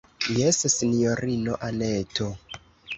Jes, sinjorino Anneto.